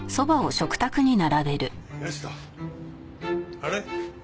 あれ？